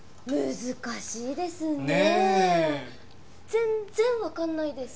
全然わかんないです。